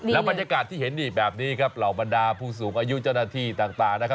แล้วบรรยากาศที่เห็นนี่แบบนี้ครับเหล่าบรรดาผู้สูงอายุเจ้าหน้าที่ต่างนะครับ